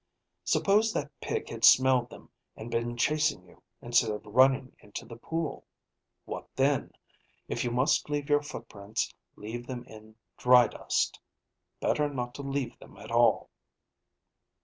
Suppose that pig had smelled them and been chasing you, instead of running into the pool? What then? If you must leave your footprints, leave them in dry dust. Better not to leave them at all."